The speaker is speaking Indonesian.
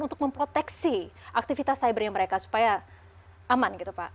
untuk memproteksi aktivitas cybernya mereka supaya aman gitu pak